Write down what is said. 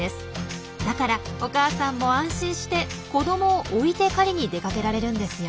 だからお母さんも安心して子どもを置いて狩りに出かけられるんですよ。